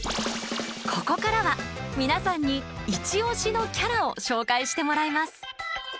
ここからは皆さんにイチ推しのキャラを紹介してもらいます！